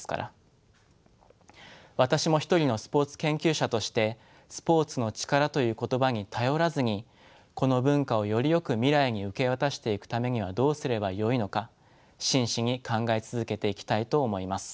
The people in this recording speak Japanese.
私も一人のスポーツ研究者として「スポーツの力」という言葉に頼らずにこの文化をよりよく未来に受け渡していくためにはどうすればよいのか真摯に考え続けていきたいと思います。